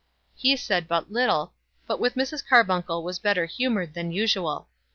He said but little, but with Mrs. Carbuncle was better humoured than usual.